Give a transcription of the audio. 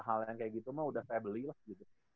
hal yang kayak gitu mah udah saya beli lah gitu